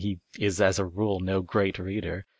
He is as a rule no great reader.